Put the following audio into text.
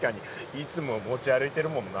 いつも持ち歩いてるもんな。